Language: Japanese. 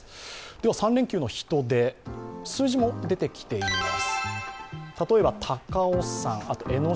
３連休の人出、数字も出てきています。